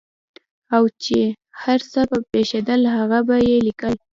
او چې هر څه به پېښېدل هغه به یې لیکل.